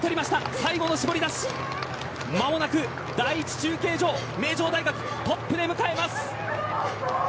最後の絞り出し間もなく第１中継所名城大学トップで迎えます。